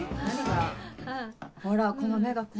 ほらこの目が怖い。